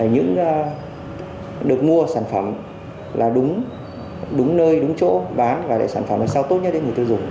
những được mua sản phẩm là đúng nơi đúng chỗ bán và để sản phẩm làm sao tốt nhất đến người tiêu dùng